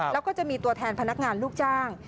แล้วก็จะมีตัวแทนพนักงานลูกจ้าง